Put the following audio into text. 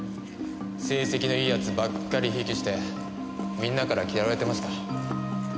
成績のいい奴ばっかりひいきしてみんなから嫌われてました。